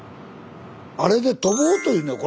あれで飛ぼうというのよ